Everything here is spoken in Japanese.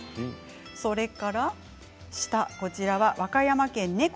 それから、こちらは和歌山県ネコ